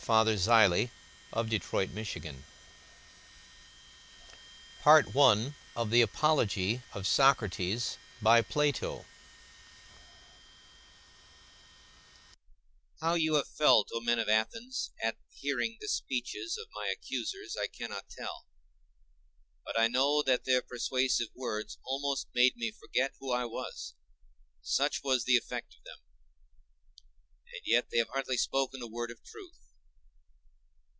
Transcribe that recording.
–347 B.C.). The Apology, Phædo and Crito.The Harvard Classics. 1909–14. The Apology of Socrates HOW you have felt, O men of Athens, at hearing the speeches of my accusers, I cannot tell; but I know that their persuasive words almost made me forget who I was, such was the effect of them; and yet they have hardly spoken a word of truth.